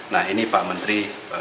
nah ini pak menteri